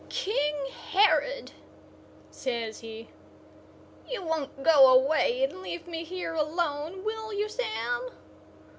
"King Herod," says he. "You won't go away and leave me here alone, will you, Sam?"